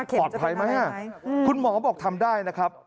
ปลอดภัยไหมคุณหมอบอกทำได้นะครับ